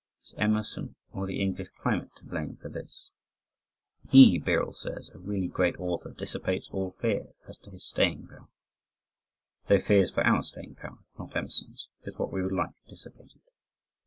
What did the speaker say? Is Emerson or the English climate to blame for this? He, Birrell, says a really great author dissipates all fears as to his staying power. (Though fears for our staying power, not Emerson's, is what we would like dissipated.)